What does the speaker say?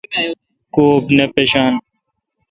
کاب نہ پشان۔